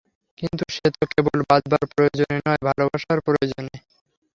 কিন্তু সে তো কেবল বাঁচবার প্রয়োজনে নয়, ভালোবাসার প্রয়োজনে।